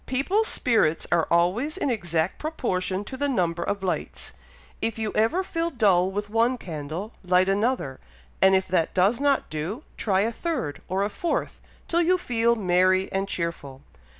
People's spirits are always in exact proportion to the number of lights. If you ever feel dull with one candle, light another; and if that does not do, try a third, or a fourth, till you feel merry and cheerful.